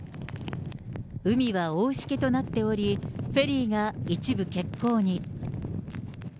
海は大しけとなっており、フェリーが一部欠航に。